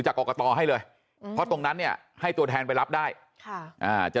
จากกรกตให้เลยเพราะตรงนั้นเนี่ยให้ตัวแทนไปรับได้ค่ะอ่าจะ